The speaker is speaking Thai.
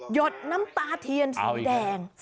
ดน้ำตาเทียนสีแดง